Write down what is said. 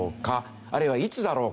あるいはいつだろうか？